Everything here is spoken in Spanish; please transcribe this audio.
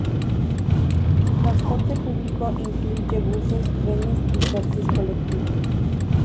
Su transporte público incluye buses, trenes y taxis colectivos.